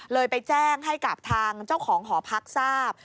ไปแจ้งให้กับทางเจ้าของหอพักทราบ